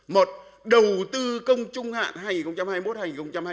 một đầu tư công trung hạn hai nghìn hai mươi một hai nghìn hai mươi năm